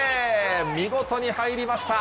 見事に入りました。